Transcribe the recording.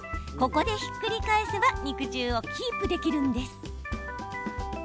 ここでひっくり返せば肉汁をキープできるんです。